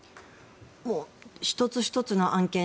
もう、１つ１つの案件